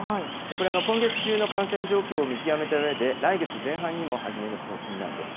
これ、今月中の感染状況を見極めたうえで、来月前半にも始める方針なんです。